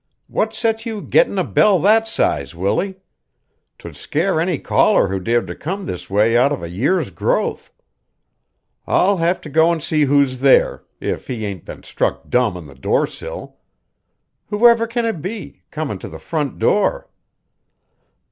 What set you gettin' a bell that size, Willie? 'Twould scare any caller who dared to come this way out of a year's growth. I'll have to go an' see who's there, if he ain't been struck dumb on the doorsill. Who ever can it be comin' to the front door?"